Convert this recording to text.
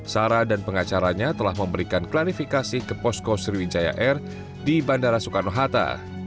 sarah dan pengacaranya telah memberikan klarifikasi ke posko sriwijaya air di bandara soekarno hatta